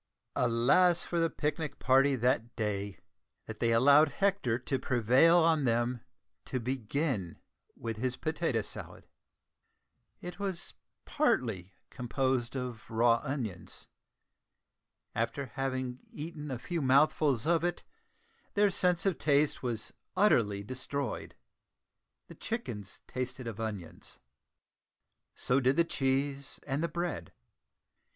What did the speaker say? Alas for the picnic party that day, that they allowed Hector to prevail on them to begin with his potato salad! It was partly composed of raw onions. After having eaten a few mouthfuls of it, their sense of taste was utterly destroyed! The chickens tasted of onions, so did the cheese and the bread.